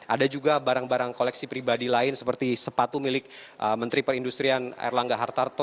ada juga barang barang koleksi pribadi lain seperti sepatu milik menteri perindustrian erlangga hartarto